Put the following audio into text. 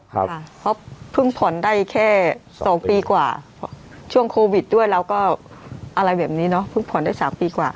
เพราะเพิ่งผ่อนได้แค่สองปีกว่าช่วงโควิดด้วยเราก็อะไรแบบนี้เนาะเพิ่งผ่อนได้๓ปีกว่า